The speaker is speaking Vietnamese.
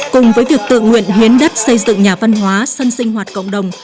cùng với việc tự nguyện hiến đất xây dựng nhà văn hóa sân sinh hoạt cộng đồng